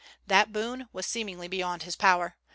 That boon was seemingly beyond his power.